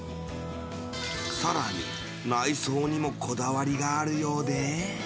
更に、内装にもこだわりがあるようで。